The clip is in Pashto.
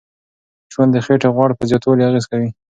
ژوند د خېټې غوړ په زیاتوالي اغیز کوي.